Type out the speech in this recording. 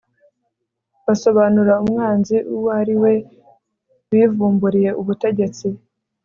basobanura umwanzi uwo ari we. bivumburiye ubutegetsi